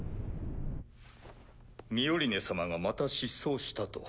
ミオリネ様がまた失踪したと。